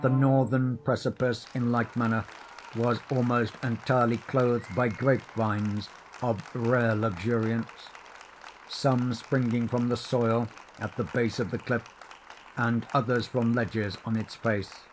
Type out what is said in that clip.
The northern precipice, in like manner, was almost entirely clothed by grape vines of rare luxuriance; some springing from the soil at the base of the cliff, and others from ledges on its face.